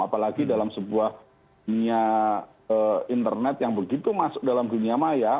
apalagi dalam sebuah dunia internet yang begitu masuk dalam dunia maya